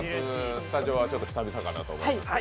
スタジオはちょっと久々かなと思いますけど。